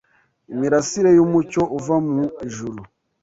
imirasire y’umucyo uva mu ijuru